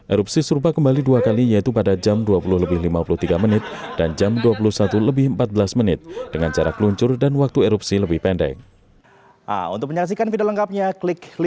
erupsi serupa kembali dua kali yaitu pada jam dua puluh lebih lima puluh tiga menit dan jam dua puluh satu lebih empat belas menit dengan jarak luncur dan waktu erupsi lebih pendek